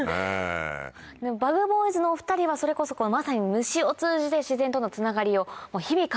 でもＢｕｇＢｏｙｓのお２人はそれこそまさに虫を通じて自然とのつながりを日々感じていると思いますが。